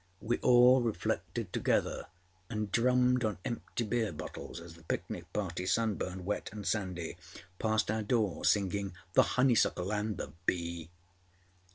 We all reflected together, and drummed on empty beer bottles as the picnic party, sunburned, wet, and sandy, passed our door singing âThe Honeysuckle and the Bee.